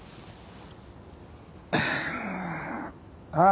ああ。